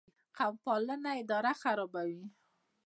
قوم پالنه اداره خرابوي